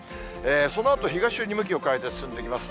そのあと、東寄りに向きを変えて進んでいきます。